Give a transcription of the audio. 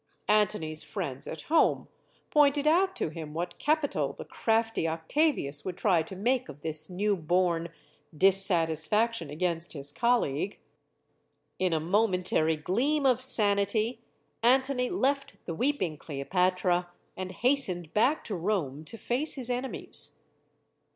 Antony's friends at home pointed out to him what capital the crafty Octavius would try to make of this new born dissatisfaction against his colleague. In a momentary gleam of sanity, Antony left the weeping Cleopatra and hastened back to Rome to face his enemies.